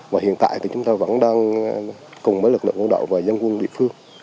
và hiện tại chúng ta vẫn đang cùng với lực lượng quân đội và dân quân địa phương